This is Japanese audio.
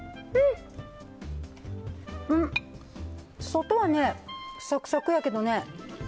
外はね、サクサクやけどね